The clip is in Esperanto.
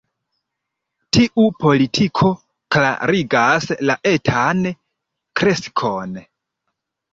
Tiu politiko klarigas la etan kreskon.